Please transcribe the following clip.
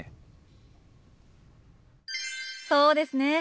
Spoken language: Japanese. そうですね。